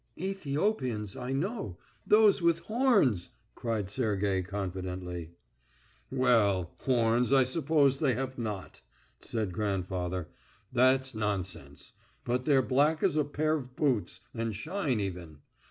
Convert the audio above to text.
"Ethiopians, I know. Those with horns," cried Sergey, confidently. "Well, horns I suppose they have not," said grandfather; "that's nonsense. But they're black as a pair of boots, and shine even.